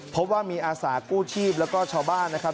พบว่ามีอาสากู้ชีพแล้วก็ชาวบ้านนะครับ